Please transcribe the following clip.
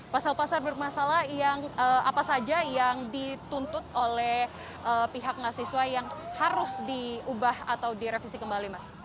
pasal pasal bermasalah yang apa saja yang dituntut oleh pihak mahasiswa yang harus diubah atau direvisi kembali mas